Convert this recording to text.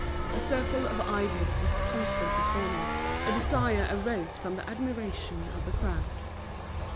A circle of idlers was constantly forming, a desire arose from the admiration of the crowd.